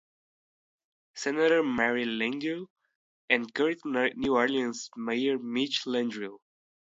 Senator Mary Landrieu and current New Orleans Mayor Mitch Landrieu.